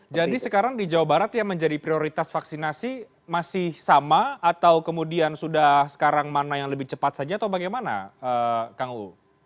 jadi sekarang di jawa barat ya menjadi prioritas vaksinasi masih sama atau kemudian sudah sekarang mana yang lebih cepat saja atau bagaimana kang u